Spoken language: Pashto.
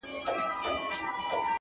تر غوږو مي ورته تاو كړل شخ برېتونه.!